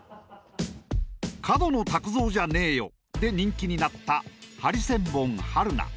「角野卓造じゃねえよ！」で人気になったハリセンボン春菜。